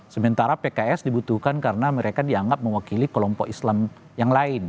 sementara pks dibutuhkan karena mereka dianggap mewakili kelompok islam yang lain